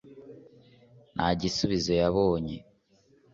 nta gisubizo yabonye